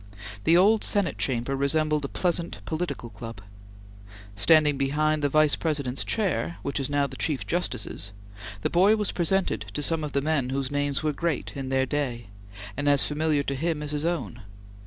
The old Senate Chamber resembled a pleasant political club. Standing behind the Vice President's chair, which is now the Chief Justice's, the boy was presented to some of the men whose names were great in their day, and as familiar to him as his own.